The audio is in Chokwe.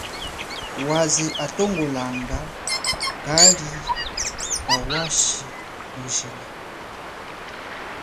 Waze atongolanga kali kawashi mujila.